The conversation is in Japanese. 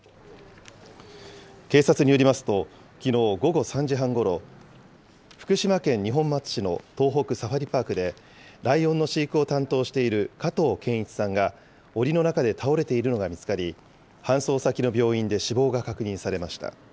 警察によりますと、きのう午後３時半ごろ、福島県二本松市の東北サファリパークで、ライオンの飼育を担当している加藤健一さんが、おりの中で倒れているのが見つかり、搬送先の病院で死亡が確認されました。